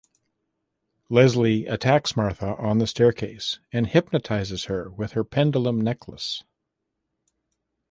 Leslie attacks Martha on the staircase and hypnotizes her with her pendulum necklace.